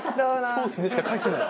「そうっすね」しか返せない。